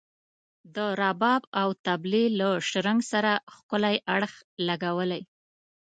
د رباب او طبلي له شرنګ سره ښکلی اړخ لګولی.